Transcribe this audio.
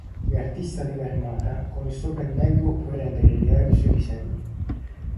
L'artista dell'armata, con il suo pennello può rendere reali i suoi disegni.